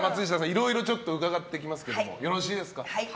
いろいろちょっと伺っていきますけどよろしいですか。